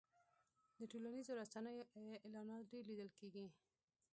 د ټولنیزو رسنیو اعلانات ډېر لیدل کېږي.